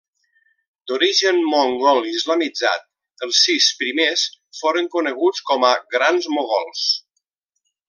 D'origen mongol islamitzat, els sis primers foren coneguts com a Grans Mogols.